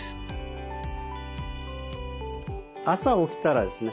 朝起きたらですね